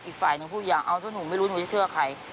อีกฝ่ายหนึ่งพูดอย่างเอาถ้าหนูไม่รู้หนูจะเชื่อใคร